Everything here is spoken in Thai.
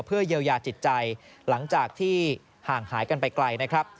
เพื่อเยียวยาจิตใจหลังจากที่ห่างหายกันไปไกลนะครับ